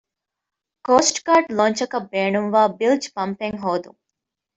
ކޯސްޓްގާޑް ލޯންޗަކަށް ބޭނުންވާ ބިލްޖް ޕަމްޕެއް ހޯދުން